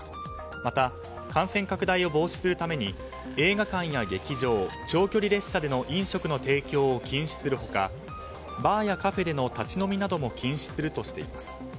また、感染拡大を防止するために映画館や劇場長距離列車での飲食の提供を禁止する他バーやカフェでの立ち飲みなども禁止するとしています。